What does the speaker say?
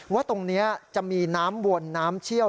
ว่าตรงนี้จะมีน้ำวนน้ำเชี่ยว